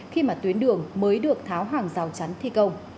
khi mà tuyến đường mới được tháo hàng rào chắn thi công